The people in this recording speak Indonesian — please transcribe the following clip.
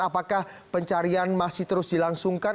apakah pencarian masih terus dilangsungkan